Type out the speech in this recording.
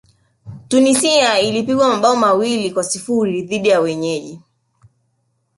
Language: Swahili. tunisia ilipigwa mabao mawili kwa sifuri dhidi ya wenyeji